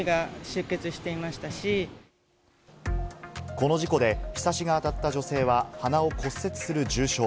この事故でひさしが当たった女性は肌を骨折する重傷。